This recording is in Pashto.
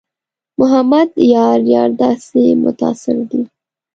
محمد یار یار داسې متاثره دی.